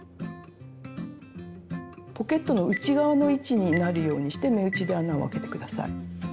ポケットの内側の位置になるようにして目打ちで穴を開けて下さい。